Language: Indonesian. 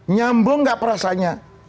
nyambung gak perasanya